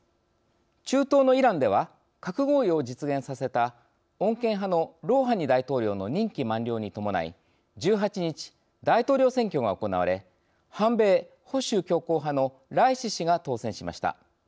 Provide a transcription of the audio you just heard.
中東のイランでは核合意を実現させた穏健派のロウハニ大統領の任期満了にともない１８日大統領選挙が行われ反米・保守強硬派のライシ師が当選しました。